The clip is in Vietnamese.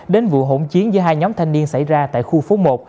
đến vụ hỗn chiến giữa hai nhóm thanh niên xảy ra tại khu phố một